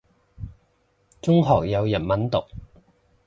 中學有日文讀